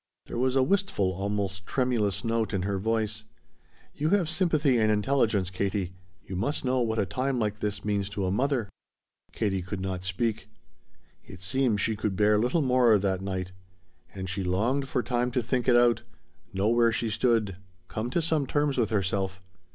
There was a wistful, almost tremulous note in her voice. "You have sympathy and intelligence, Katie. You must know what a time like this means to a mother." Katie could not speak. It seemed she could bear little more that night. And she longed for time to think it out, know where she stood, come to some terms with herself.